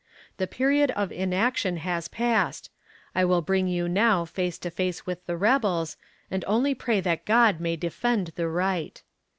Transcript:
The period of inaction has passed. I will bring you now face to face with the rebels, and only pray that God may defend the right."